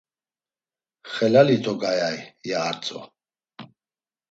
“Xelali to gayay!” ya artzo.